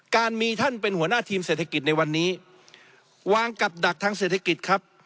การมีท่านเป็นหัวหน้าทีมเศรษฐกิจในวันนี้วางกับดักทางเศรษฐกิจครับ